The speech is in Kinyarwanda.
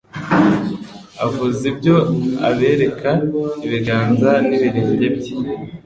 Avuze ibyo abereka ibiganza n'ibirenge bye."